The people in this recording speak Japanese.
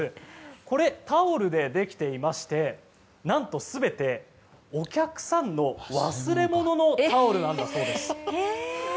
これ、タオルでできていまして何と全て、お客さんの忘れ物のタオルなんだそうです。